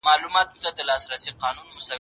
زه پرون پاکوالي ساتم وم